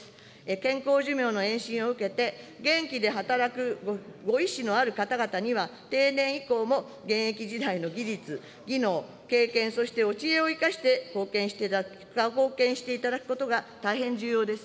健康寿命の延伸を受けて、元気で働くご意思のある方々には、定年以降も現役時代の技術、技能、経験、そしてお知恵を生かして貢献していただくことが大変重要です。